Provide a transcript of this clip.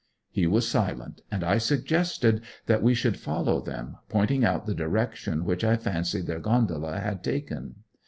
He was silent: and I suggested that we should follow them, pointing out the direction which I fancied their gondola had taken.